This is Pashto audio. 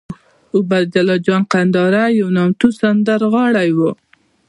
عبیدالله جان کندهاری یو نامتو سندرغاړی وو